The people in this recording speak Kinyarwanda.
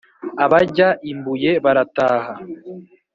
abajya i mbuye barataha